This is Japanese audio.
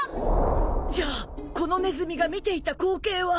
じゃあこのネズミが見ていた光景は。